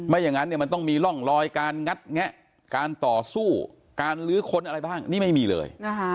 อย่างนั้นมันต้องมีร่องรอยการงัดแงะการต่อสู้การลื้อค้นอะไรบ้างนี่ไม่มีเลย